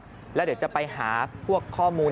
แล้วเดี๋ยวจะไปหาพวกข้อมูล